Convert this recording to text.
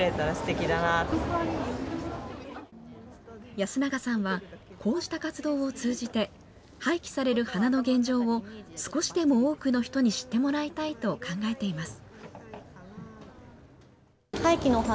安永さんはこうした活動を通じて廃棄される花の現状を少しでも多くの人に知ってもらいたいと考えています。